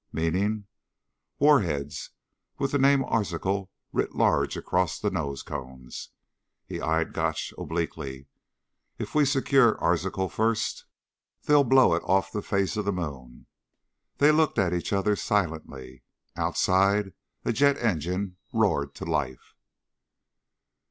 "Meaning?" "Warheads with the name Arzachel writ large across the nose cones." He eyed Gotch obliquely. "If we secure Arzachel first, they'll blow it off the face of the moon." They looked at each other silently. Outside a jet engine roared to life.